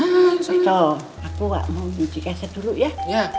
wisto aku gak mau uji keset dulu ya